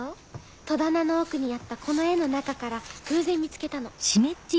戸棚の奥にあったこの絵の中から偶然見つけたの。